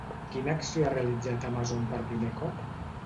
Quina acció ha realitzat Amazon per primer cop?